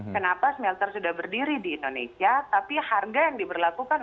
kenapa smelter sudah berdiri di indonesia tapi harga yang diberlakukan